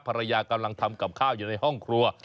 ภรรยากำลังทำกับข้าวอยู่ในห้องครัว